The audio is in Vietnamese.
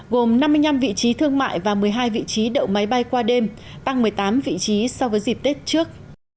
gồm năm mươi năm vị trí thương mại và một mươi hai vị trí đậu máy bay qua đêm tăng một mươi tám vị trí so với dịp tết trước